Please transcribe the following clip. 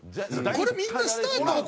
これみんなスタートが。